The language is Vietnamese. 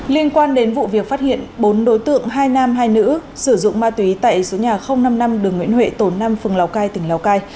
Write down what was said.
liên quan đến vụ việc phát hiện bốn đối tượng hai nam hai nữ sử dụng ma túy tại số nhà năm mươi năm đường nguyễn huệ tổn năm phường lào cai tỉnh lào cai